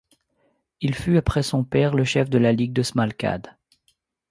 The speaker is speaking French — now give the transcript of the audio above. Il fut après son père le chef de la ligue de Smalkade.